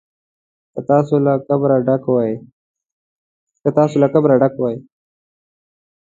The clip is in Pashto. که تاسو له کبره ډک وئ.